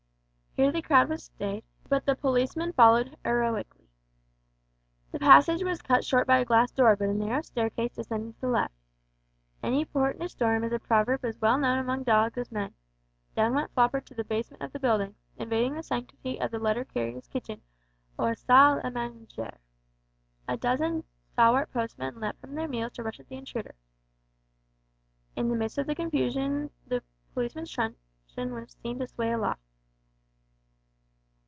Here the crowd was stayed, but the policeman followed heroically. The passage was cut short by a glass door, but a narrow staircase descended to the left. "Any port in a storm" is a proverb as well known among dogs as men. Down went Floppart to the basement of the building, invading the sanctity of the letter carriers' kitchen or salle a manger. A dozen stalwart postmen leaped from their meals to rush at the intruder. In the midst of the confusion the policeman's truncheon was seen to sway aloft.